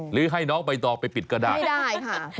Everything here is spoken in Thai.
หรือให้น้องใบตองไปปิดก็ได้ไม่ได้ค่ะมือจับทอง